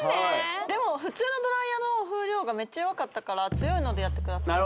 でも普通のドライヤーの風量がメッチャ弱かったから強いのでやってください